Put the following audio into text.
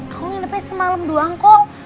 aku nginepnya semalam doang kok